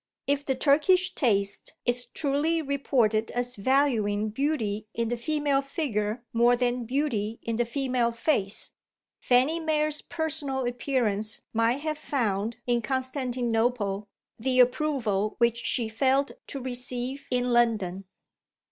If the Turkish taste is truly reported as valuing beauty in the female figure more than beauty in the female face, Fanny Mere's personal appearance might have found, in Constantinople, the approval which she failed to receive in London.